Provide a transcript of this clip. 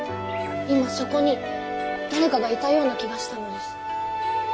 今そこに誰かがいたような気がしたのです。